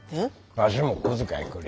ワシも小遣いくれ。